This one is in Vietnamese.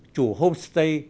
chủ homestay tư kỳnh